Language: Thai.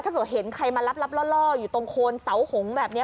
ถ้าเกิดเห็นใครมารับล่ออยู่ตรงโคนเสาหงแบบนี้